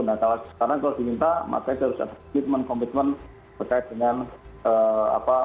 nah sekarang kalau diminta makanya harus ada komitmen komitmen berkait dengan apa